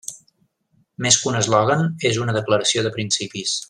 Més que un eslògan, és una declaració de principis.